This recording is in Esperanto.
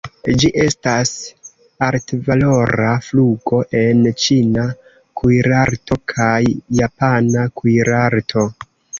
Ĝi estas altvalora fungo en ĉina kuirarto kaj japana kuirarto.